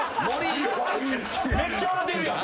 めっちゃ笑うてるやん。